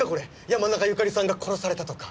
山中由佳里さんが殺されたとか？